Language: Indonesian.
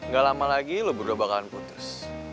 gak lama lagi lo berdua bakalan putus